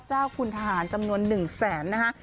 เจ้าคุณทหารจำนวน๑แสนนะคะ